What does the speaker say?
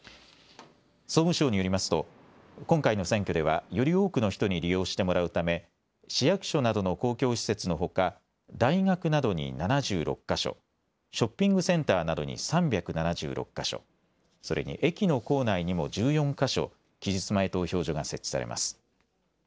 総務省によりますと、今回の選挙ではより多くの人に利用してもらうため、市役所などの公共施設のほか、大学などに７６か所、ショッピングセンターなどに３７６か所、それに駅の構内にも１４か所、期日前投票所が設置されます。